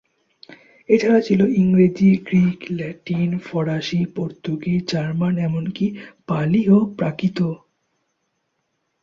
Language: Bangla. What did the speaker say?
এ ছাড়া ছিল ইংরেজি, গ্রিক, ল্যাটিন, ফরাসি, পর্তুগিজ, জার্মান, এমনকি পালি ও প্রাকৃতও।